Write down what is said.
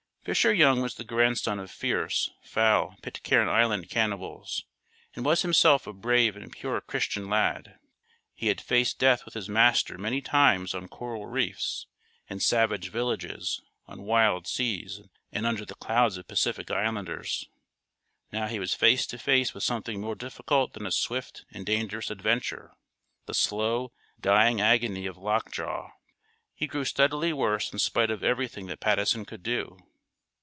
Fisher Young was the grandson of fierce, foul Pitcairn Island cannibals, and was himself a brave and pure Christian lad. He had faced death with his master many times on coral reefs, in savage villages, on wild seas and under the clubs of Pacific islanders. Now he was face to face with something more difficult than a swift and dangerous adventure the slow, dying agony of lockjaw. He grew steadily worse in spite of everything that Patteson could do.